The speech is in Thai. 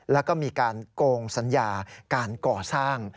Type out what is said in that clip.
แล้วก็มีการโกงสัญญาการก่อสร้าง